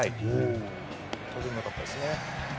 とてもよかったですね。